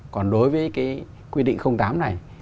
còn đối với cái quy định tám này